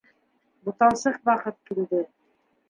Буталсыҡ ваҡыт килде.